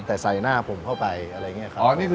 แต่ใส่หน้าผมเข้าไปอะไรอย่างนี้ครับ